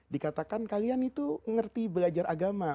dikatakan kalian itu ngerti belajar agama